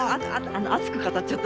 熱く語っちゃった。